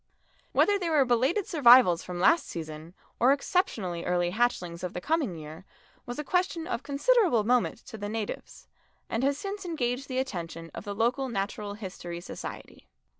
Whether they were belated survivals from last season or exceptionally early hatchings of the coming year, was a question of considerable moment to the natives, and has since engaged the attention of the local Natural History Society.